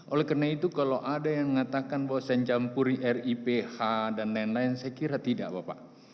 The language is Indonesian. oleh karena itu kalau ada yang mengatakan bahwa senjampuri riph dan lain lain saya kira tidak bapak